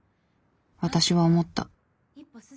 私は思った。